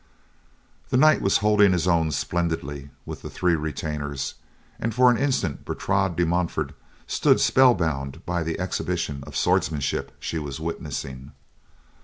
The knight was holding his own splendidly with the three retainers, and for an instant Bertrade de Montfort stood spell bound by the exhibition of swordsmanship she was witnessing.